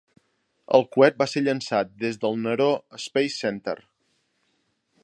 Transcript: El coet va ser llançat des del Naro Space Center.